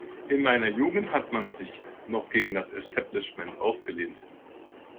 In meiner Jugend hat man sich noch gegen das Establishment aufgelehnt.